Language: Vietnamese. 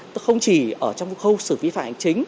tức không chỉ ở trong khâu sử phí phạm ảnh chính